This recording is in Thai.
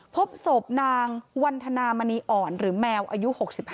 พบศพนางวันธนามณีอ่อนหรือแมวอายุ๖๕